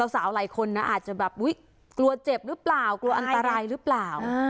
หลายคนนะอาจจะแบบอุ๊ยกลัวเจ็บหรือเปล่ากลัวอันตรายหรือเปล่า